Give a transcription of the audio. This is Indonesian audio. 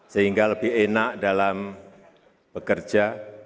sehingga lebih enak dalam bekerja